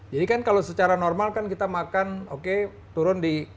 jadi kan kalau secara normal kan kita makan oke turun di